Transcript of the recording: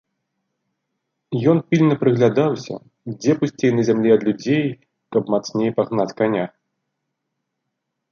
Ён пільна прыглядаўся, дзе пусцей на зямлі ад людзей, каб мацней пагнаць каня.